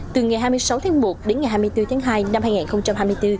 từ ngày hai mươi sáu tháng một đến ngày hai mươi bốn tháng hai năm hai nghìn hai mươi bốn